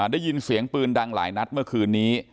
ได้ยินเสียงปืนดังหลายนัดเมื่อคืนนี้